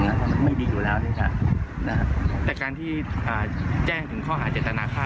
มันไม่ดีอยู่แล้วเลยครับนะฮะแต่การที่อ่าแจ้งถึงข้อหาเจตนาค่า